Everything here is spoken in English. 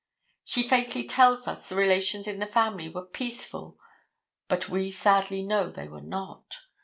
She faintly tells us the relations in the family were peaceful, but we sadly know they were not.